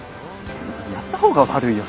やった方が悪いよ